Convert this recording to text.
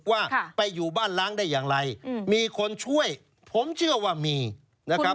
ว่าไปอยู่บ้านล้างได้อย่างไรมีคนช่วยผมเชื่อว่ามีนะครับ